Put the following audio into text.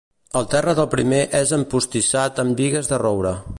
El terra del primer és empostissat amb bigues de roure.